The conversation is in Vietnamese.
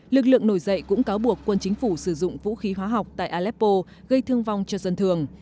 lực lượng nổi dậy cũng cáo buộc quân chính phủ sử dụng vũ khí hóa học tại aleppo gây thương vong cho dân thường